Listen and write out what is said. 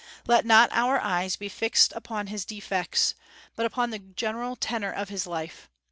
Let not our eyes be fixed upon his defects, but upon the general tenor of his life.